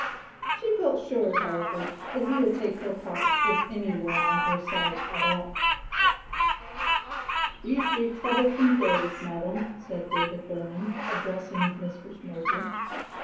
She felt sure, however, that he would take her part if any were on her side at all. "These be troublesome days, madam," said David Bowman, addressing Mistress Mowbray.